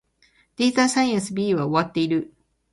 データサイエンス B は終わっている